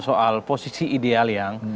soal posisi ideal yang